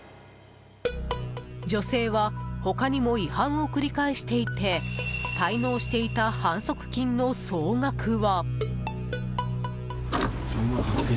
女性は、他にも違反を繰り返していて滞納していた反則金の総額は。